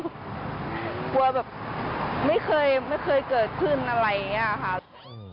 กลัวแบบไม่เคยเกิดขึ้นอะไรอย่างนี้ค่ะ